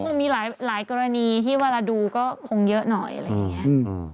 คงมีหลายกรณีที่เวลาดูก็คงเยอะหน่อยอะไรอย่างนี้